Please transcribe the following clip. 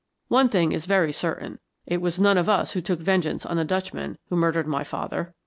One thing is very certain. It was none of us who took vengeance on the Dutchman who murdered my father.